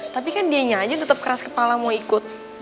tapi kan dianya aja tetap keras kepala mau ikut